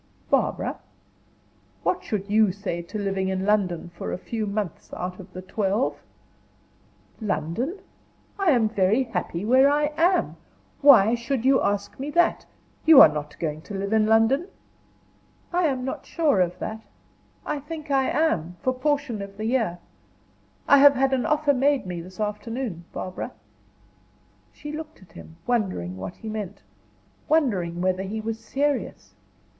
"Barbara, what should you say to living in London for a few months out of the twelve?" "London? I am very happy where I am. Why should you ask me that? You are not going to live in London?" "I am not sure of that. I think I am for a portion of the year. I have had an offer made me this afternoon, Barbara." She looked at him, wondering what he meant wondering whether he was serious.